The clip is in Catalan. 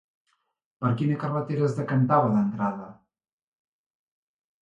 Per quina carrera es decantava d'entrada?